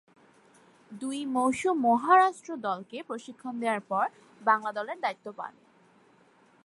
দুই মৌসুম মহারাষ্ট্র দলকে প্রশিক্ষণ দেয়ার পর বাংলা দলের দায়িত্ব পান।